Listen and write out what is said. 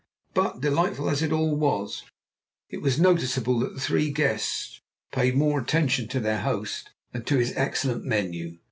But, delightful as it all was, it was noticeable that the three guests paid more attention to their host than to his excellent menu.